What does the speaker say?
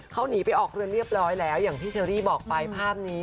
เขาหนีไปออกเรือนเรียบร้อยแล้วอย่างที่เชอรี่บอกไปภาพนี้